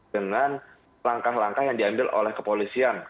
dengan langkah langkah yang diambil oleh kepolisian